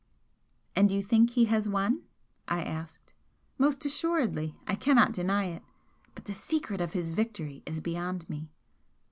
'" "And you think he has won?" I asked. "Most assuredly I cannot deny it. But the secret of his victory is beyond me."